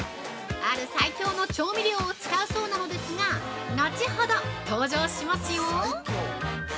ある最強の調味料を使うそうなのですが後ほど登場しますよ！